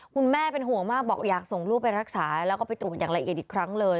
แม่เป็นห่วงมากบอกอยากส่งลูกไปรักษาแล้วก็ไปตรวจอย่างละเอียดอีกครั้งเลย